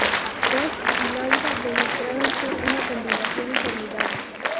Prost y Lauda demostraron ser una combinación formidable..